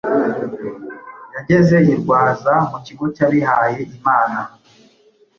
yageze i Rwaza mu kigo cy'abihaye Imana